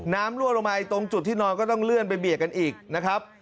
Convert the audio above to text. รั่วลงมาตรงจุดที่นอนก็ต้องเลื่อนไปเบียดกันอีกนะครับ